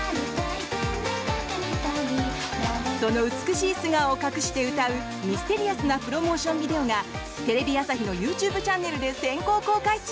その美しい素顔を隠して歌うミステリアスなプロモーションビデオがテレビ朝日のＹｏｕＴｕｂｅチャンネルで先行公開中！